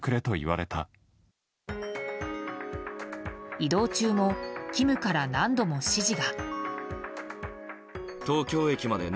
移動中もキムから何度も指示が。